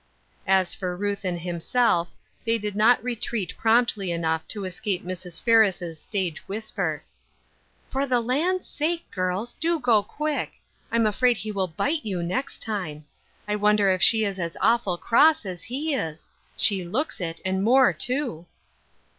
As for Ruth and hi ra:^ elf, they did not retreat 298 Ruth Urskine's Crosses. promptly enough to escape Mrs. Ferris* stage» whisper :" For the land's sake, girls I do go quick ; Vm afraid he will bite you next time. I wonder if she is as awful cross as he is ? She looks it, and more too."